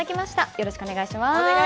よろしくお願いします。